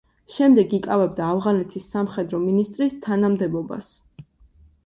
შემდეგ იკავებდა ავღანეთის სამხედრო მინისტრის თანამდებობას.